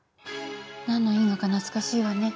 何の因果か懐かしいわね。